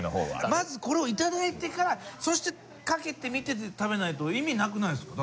まずこれをいただいてからそしてかけてみてで食べないと意味なくないですか？